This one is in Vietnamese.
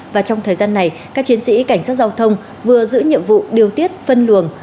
và trong thời gian này các chiến sĩ cảnh sát giao thông vừa giữ nhiệm vụ điều tiết phân luồng